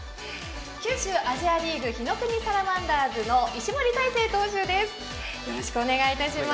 九州アジアリーグ火の国サラマンダーズの石森大誠選手です。